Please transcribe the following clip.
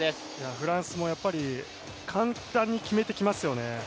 フランスもやっぱり、簡単に決めてきますよね。